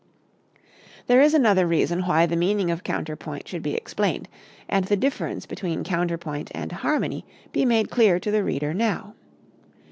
There is another reason why the meaning of counterpoint should be explained and the difference between counterpoint and harmony be made clear to the reader now.